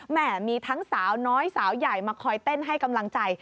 แม่มีทั้งสาวน้อยสาวใหญ่มาคอยเต้นให้กำลังใจ